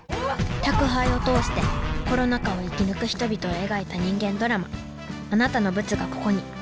宅配を通してコロナ禍を生き抜く人々を描いた人間ドラマ「あなたのブツが、ここに」